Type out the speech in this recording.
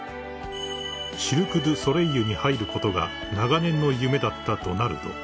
［シルク・ドゥ・ソレイユに入ることが長年の夢だったドナルド］